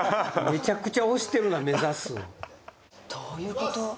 めちゃくちゃ推してるな「目指す」どういうこと？